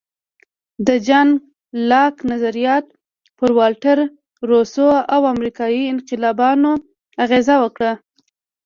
د جان لاک نظریات پر والټر، روسو او امریکایي انقلابیانو اغېز وکړ.